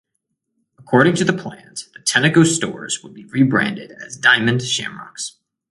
According to the plans, the Tenneco stores would be rebranded as Diamond Shamrocks.